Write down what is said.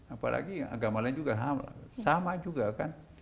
apalagi agama lain juga sama juga kan